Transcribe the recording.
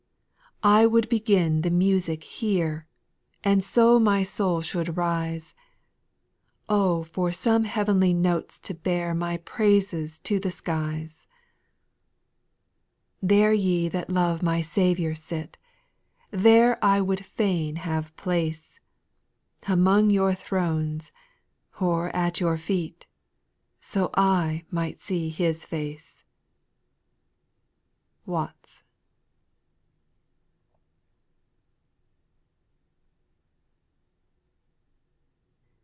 6. I would begin the music here. And so my soul should rise : O for some.heav'nly notes to bear My praises to the skies 1 7. There ye that love my Saviour sit. There I would fain have place. Among your thrones, or at your feet, So I might see His face. WATTS.